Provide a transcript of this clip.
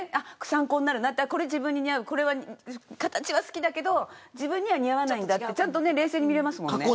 参考になるな自分にこれは似合うとか形は好きだけど自分には似合わないんだってちゃんと冷静に見れますもんね。